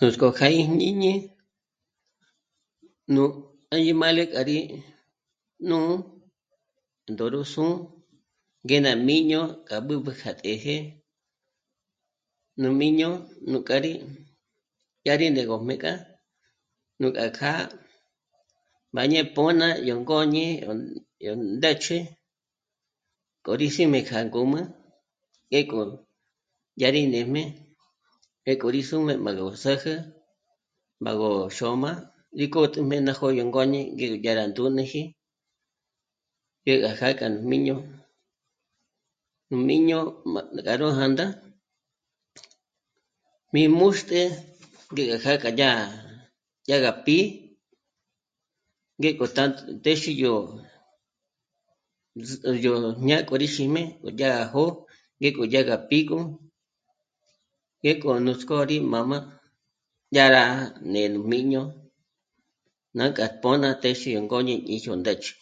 Nuts'k'ó kja íjñíñi nú añimále k'a rí... nú ndôrü sù'u ngé ná jmíño, k'a b'ǚb'ü kjá t'ëjë, nú jmíño nú k'a rí... yá rí né'egö mé k'a nújka kjâ'a má ñé pô'na yó ngôñi, yó ndë́ch'ü k'o rí síjmi kja ngǔm'ü ngéko yá rí nêjme pjéko rí sǜjmü má gú s'ä́jä m'âgo xôm'a rí k'ô'te mé ná jó'o rá ngôñi ngé yá nú ndúniji jé gá já k'a nú jmíño... nú jmíño pájka ró jā̂ndā. Mí múxt'e ngé gá kja gú yá... yá gá pí'i ngéko están... téxi yó z... yó ñâ'a k'o rí xíjme o yá gá jó'o ngéko yá gá pígo, ngéko nuts'k'ó rí mā́mā, yá rá ñé nú jmíño, nájka pôn'a téxe nú ngôñi ngé yó ndë́ch'ü